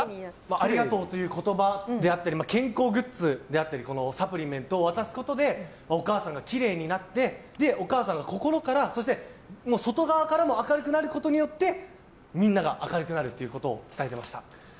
ありがとうという言葉であったり健康グッズサプリメントを渡すことでお母さんがきれいになってお母さんが心からそして、外側からも明るくなることでみんなが明るくなるということを伝えてました。